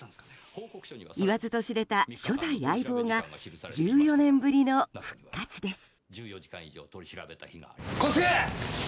言わずと知れた初代相棒が１４年ぶりの復活です。